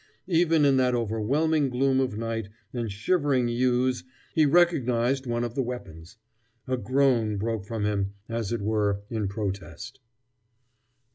Even in that overwhelming gloom of night and shivering yews he recognized one of the weapons. A groan broke from him, as it were, in protest.